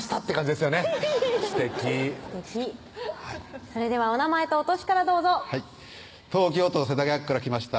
すてきすてきそれではお名前とお歳からどうぞはい東京都世田谷区から来ました